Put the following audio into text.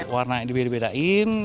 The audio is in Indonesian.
warna yang dibedain bedain